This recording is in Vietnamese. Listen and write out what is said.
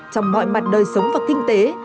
trong mọi mặt đời sống và kinh tế